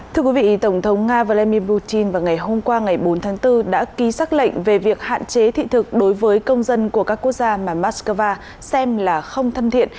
thưa quý vị tổng thống nga vladimir putin vào ngày hôm qua ngày bốn tháng bốn đã ký xác lệnh về việc hạn chế thị thực đối với công dân của các quốc gia mà moscow xem là không thân thiện